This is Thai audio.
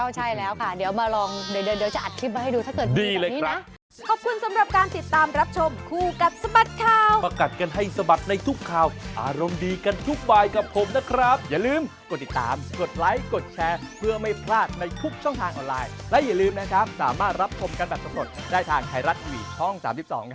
ใช่แล้วค่ะเดี๋ยวมาลองเดี๋ยวจะอัดคลิปมาให้ดูถ้าเกิดมีแบบนี้นะ